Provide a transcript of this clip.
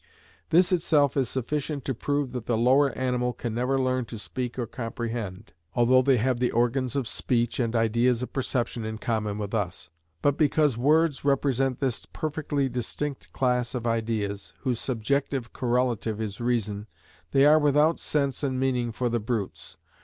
This itself is sufficient to prove that the lower animals can never learn to speak or comprehend, although they have the organs of speech and ideas of perception in common with us. But because words represent this perfectly distinct class of ideas, whose subjective correlative is reason, they are without sense and meaning for the brutes.